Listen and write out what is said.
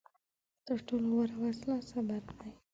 تر ټولو غوره وسله صبر دی.